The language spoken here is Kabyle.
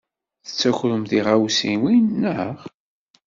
Tettakrem tiɣawsiwin, naɣ?